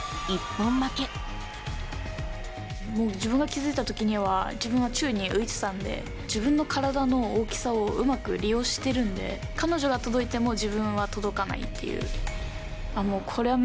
もう自分が気付いたときには、自分は宙に浮いてたんで、自分の体の大きさをうまく利用してるんで、彼女は届いても自分は届かないっていう。